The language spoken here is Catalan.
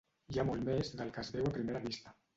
Hi ha molt més del que es veu a primera vista.